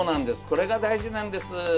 これが大事なんです！